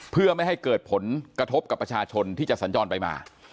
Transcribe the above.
เพื่อไม่ให้เกิดผลกระทบกับประชาชนที่จะสัญจรไปมา